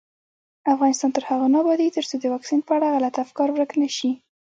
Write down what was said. افغانستان تر هغو نه ابادیږي، ترڅو د واکسین په اړه غلط افکار ورک نشي.